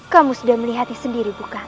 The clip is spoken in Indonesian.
kamu sudah melihatnya sendiri bukan